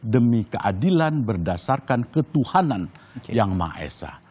demi keadilan berdasarkan ketuhanan yang ma esah